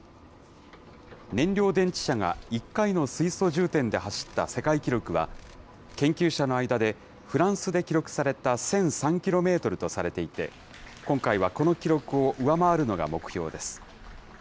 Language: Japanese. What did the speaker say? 燃料電池車が１回の水素充填で走った世界記録は、研究者の間で、フランスで記録された１００３キロメートルとされていて、されていて、今回はこの記録を上回るのが目標です。